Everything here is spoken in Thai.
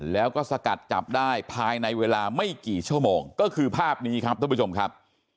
แล้วก็สกัดจับได้ภายในเวลาไม่กี่ชั่วโมงก็คือภาพนี้ครับท่านผู้ชมครับ